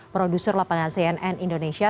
produser lapangan cnn indonesia